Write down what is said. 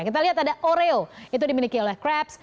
kita lihat ada oreo itu dimiliki oleh craps